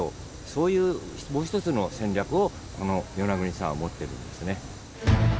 そういうもう一つの戦略をこのヨナグニサンは持ってるんですね。